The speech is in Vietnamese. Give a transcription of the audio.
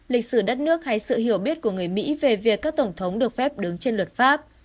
lịch sử đất nước hay sự hiểu biết của người mỹ về việc các tổng thống được phép đứng trên luật pháp